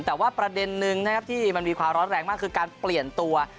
แต่ว่าประเด็นนึงนะครับที่มันมีความร้อนแรงมากคือการเปลี่ยนตัว